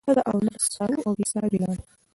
ښځه او نر ساهو او بې ساه بېلول